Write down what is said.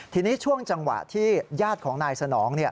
ทีนี้ช่วงจังหวะที่ญาติของนายสนอง